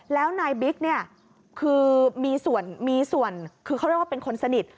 แล้วนายบิ๊กเนี่ยคือมีส่วนมีส่วนคือเขาเรียกว่าเป็นคนสนิท